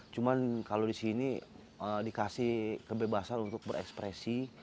cuman kalau di sini dikasih kebebasan untuk berekspresi